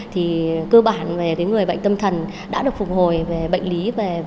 thì cơ bản về người bệnh tâm thần đã được phục hồi về bệnh lý